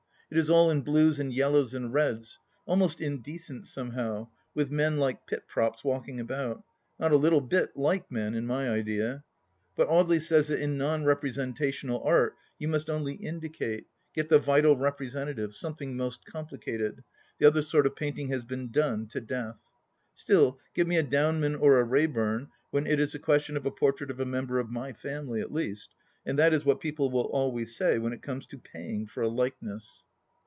It is all in blues and yellows and reds ; almost indecent, somehow, with men like pit props walking about — ^not a little bit like men in my idea. But Audely says that in non representational art you must only indicate — get the vital representative — something most complicated. ... The other sort of painting has been done — ^to death. Still, give me a Downman or a Raebum when it is a question of a portrait of a member of my family, at least, and that is what people will always say, when it comes to paying for a likeness.